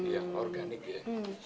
yang organik ya